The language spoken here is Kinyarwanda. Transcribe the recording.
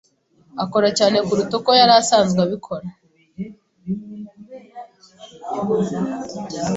akora cyane kuruta uko yari asanzwe abikora.